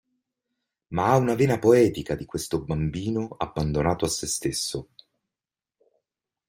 Ma ha una vena poetica di questo bambino abbandonato a sè stesso.